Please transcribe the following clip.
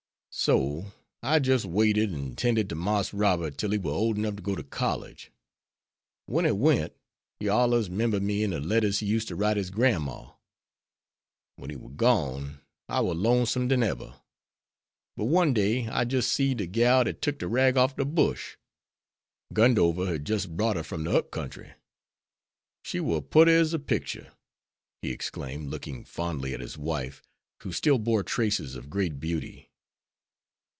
So I jis' waited, an' 'tended to Marse Robert till he war ole 'nough to go to college. Wen he went, he allers 'membered me in de letters he used to write his grandma. Wen he war gone, I war lonesomer dan eber. But, one day, I jis' seed de gal dat took de rag off de bush. Gundover had jis' brought her from de up country. She war putty as a picture!" he exclaimed, looking fondly at his wife, who still bore traces of great beauty.